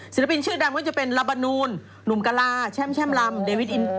ศิลปินชื่อดำก็จะเป็นลาบานูลหนุมกะลาแช่มแช่มลำ